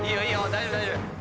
大丈夫大丈夫。